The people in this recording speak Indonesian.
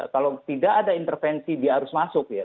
kalau tidak ada intervensi dia harus masuk ya